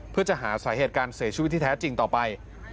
เพื่อจะหาสาเหตุการเสียชีวิตที่แท้จริงต่อไป